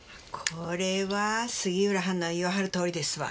これは杉浦はんの言わはるとおりですわ。